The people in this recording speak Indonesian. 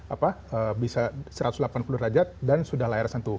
apa bisa satu ratus delapan puluh derajat dan sudah layar sentuh